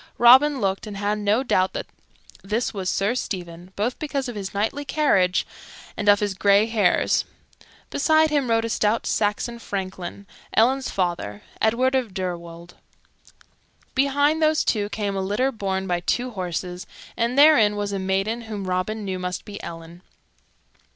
Robin looked, and had no doubt that this was Sir Stephen, both because of his knightly carriage and of his gray hairs. Beside him rode a stout Saxon franklin, Ellen's father, Edward of Deirwold; behind those two came a litter borne by two horses, and therein was a maiden whom Robin knew must be Ellen.